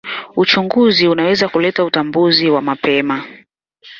Uchunguzi unaweza kuleta utambuzi wa mapema.